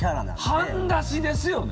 半出しですよね。